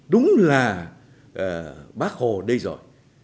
đúng là bác hồ đây rồi